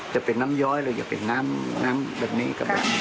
จะเป็นน้ำย้อยหรือจะเป็นน้ำแบบนี้ครับ